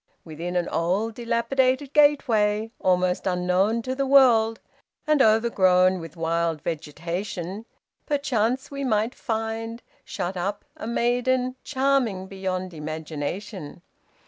Within an old dilapidated gateway, almost unknown to the world, and overgrown with wild vegetation, perchance we might find, shut up, a maiden charming beyond imagination.